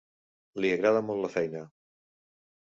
Li agrada molt la feina.